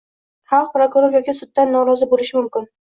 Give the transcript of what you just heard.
Xalq prokuror yoki suddan norozi boʻlishi mumkin